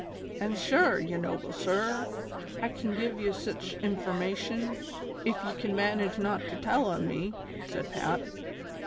"An' shure, yer noble sir, I kin give ye sich infurmation, ef ye kin manage not tow tell on me," said Pat.